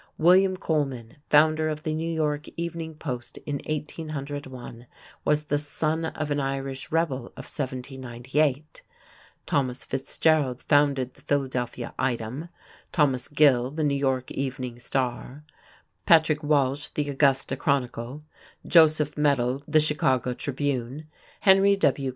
William Coleman, founder of the New York Evening Post in 1801, was the son of an Irish rebel of 1798; Thomas Fitzgerald founded the Philadelphia Item; Thomas Gill, the New York Evening Star; Patrick Walsh, the Augusta Chronicle; Joseph Medill, the Chicago Tribune. Henry W.